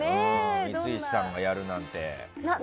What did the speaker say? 光石さんがやるなんて。